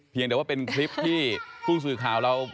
เพียงแต่ว่าเป็นคลิปที่ผู้สื่อข่าวเรา